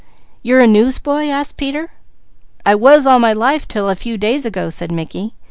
"You're a newsboy?" asked Peter. "I was all my life 'til a few days ago," said Mickey.